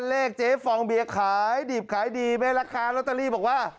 เลขเจ๊ฟองเบียร์ขายดิบขายดีแม่ราคาลอตเตอรี่บอกว่า